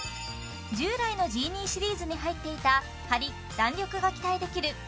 従来のジーニーシリーズに入っていたハリ弾力が期待できる